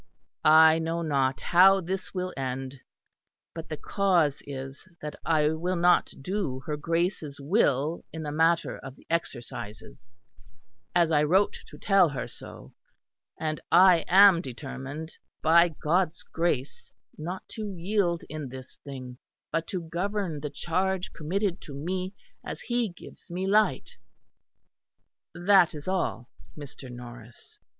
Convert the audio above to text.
I know not how this will end, but the cause is that I will not do her Grace's will in the matter of the Exercises, as I wrote to tell her so; and I am determined, by God's grace, not to yield in this thing; but to govern the charge committed to me as He gives me light. That is all, Mr. Norris."